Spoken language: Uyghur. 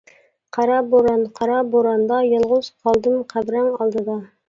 قارا بوران، قارا بوراندا، يالغۇز قالدىم قەبرەڭ ئالدىدا.